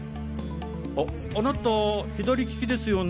あっあなた左利きですよね？